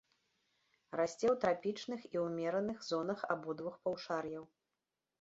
Расце ў трапічных і ўмераных зонах абодвух паўшар'яў.